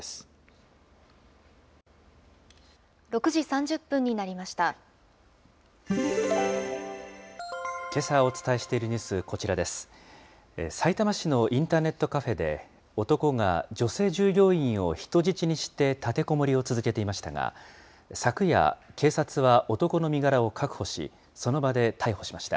さいたま市のインターネットカフェで、男が女性従業員を人質にして立てこもりを続けていましたが、昨夜、警察は男の身柄を確保し、その場で逮捕しました。